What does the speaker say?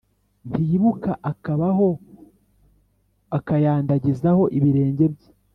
ntiyibuka akabaho akandagizaho ibirenge bye,